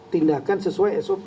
tindakan sesuai sop